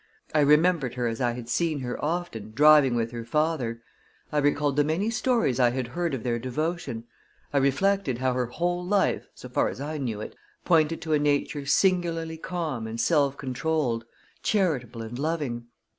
I remembered her as I had seen her often, driving with her father; I recalled the many stories I had heard of their devotion; I reflected how her whole life, so far as I knew it, pointed to a nature singularly calm and self controlled, charitable and loving.